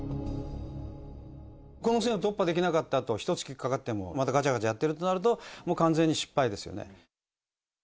この線を突破できなかったと、ひとつきかかっても、まだがちゃがちゃやってるとなると、もう完全に失敗ですよね。